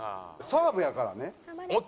サーブやからね。